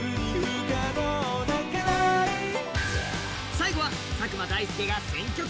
最後は佐久間大介が選曲。